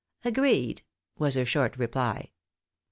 " Agreed," was her short reply.